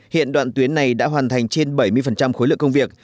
hiện đoạn tuyến này đã hoàn thành trên bảy mươi khối lượng công việc